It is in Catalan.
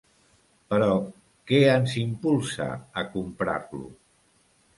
Però, què ens impulsa a comprar-lo?